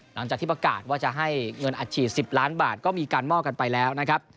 หลังจากที่ประกาศว่าจะให้เงินอัดฉีด๑๐ล้านบาทก็มีการมอบกันไปแล้วนะครับ